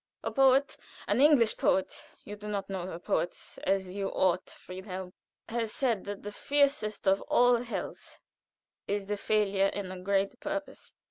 A poet, an English poet (you do not know the English poets as you ought, Friedhelm), has said that the fiercest of all hells is the failure in a great purpose.